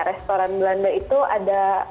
restoran belanda itu ada